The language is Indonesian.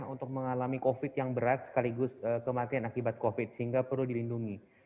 untuk mengalami covid yang berat sekaligus kematian akibat covid sehingga perlu dilindungi